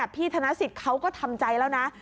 ธนสิทธิ์เขาก็ทำใจแล้วนะ